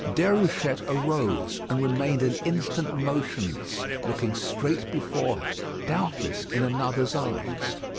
Déruchette arose, and remained an instant motionless, looking straight before her, doubtless in another's eyes.